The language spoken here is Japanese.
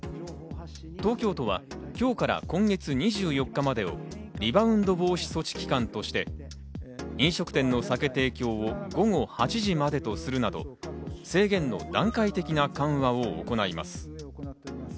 東京都は今日から今月２４日までをリバウンド防止措置期間として飲食店の酒提供を午後８時までとするなど、制限の段階的な緩和を行います。